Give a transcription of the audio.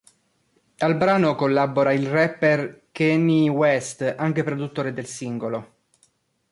Al brano collabora il rapper Kanye West, anche produttore del singolo.